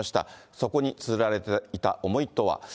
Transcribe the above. そこにつづられていた思いとは。